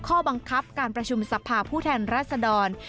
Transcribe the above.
ข้อบังคับการประชุมสภาผู้แทนรัศดร